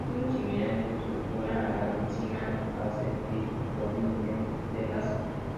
Es muy similar en su estructura a la enzima acetilcolinesterasa.